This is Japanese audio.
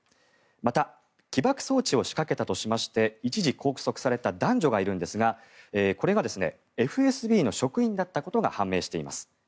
また起爆装置を仕掛けたとしまして一時拘束された男女がいるんですがこれがＦＳＢの職員だったことが判明しています。